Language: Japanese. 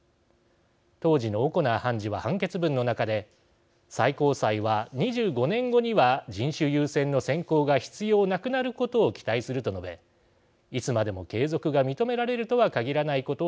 当時のオコナー判事は判決文の中で最高裁は２５年後には人種優先の選考が必要なくなることを期待すると述べいつまでも継続が認められるとは限らないことを示唆しました。